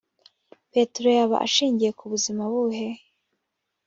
petero yaba ashingiye kubuzima buhe